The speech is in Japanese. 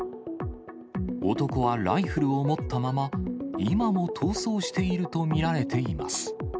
男はライフルを持ったまま、今も逃走していると見られています。